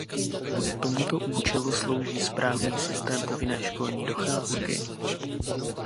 Tomuto účelu slouží správný systém povinné školní docházky.